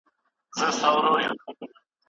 د ورېښمو پرده پورته په اداب شوه